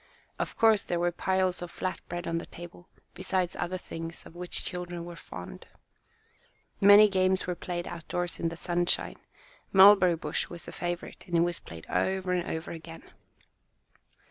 Of course, there were piles of flat bread on the table, besides other things of which the children were fond. Many games were played outdoors in the sunshine. Mulberry bush was the favourite, and it was played over and over again.